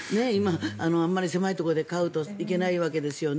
あまり狭いところで飼うといけないわけですよね。